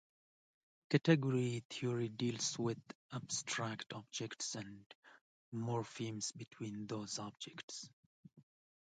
Category theory deals with abstract objects and morphisms between those objects.